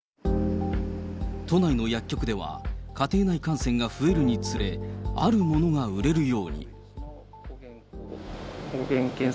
都内の薬局では、家庭内感染が増えるにつれ、あるものが売れるように。